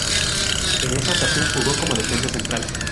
En esa ocasión, jugó como defensa central.